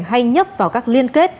hay nhấp vào các liên kết